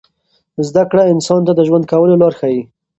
زده کړه انسان ته د ژوند کولو لار ښیي.